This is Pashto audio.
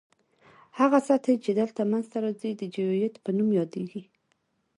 هغه سطح چې دلته منځ ته راځي د جیوئید په نوم یادیږي